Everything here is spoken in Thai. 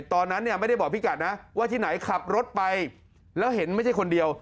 ตอนนั้นเนี่ยไม่ได้บอกพี่กัดนะว่าที่ไหนขับรถไปแล้วเห็นไม่ใช่คนเดียว